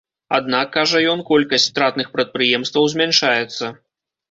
Аднак, кажа ён, колькасць стратных прадпрыемстваў змяншаецца.